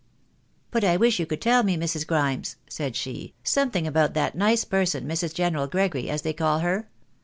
" But I wish you could tell me, INIrs. Grimes," said she, " some thing about that nice person, Mrs. General Gregory, as they call her.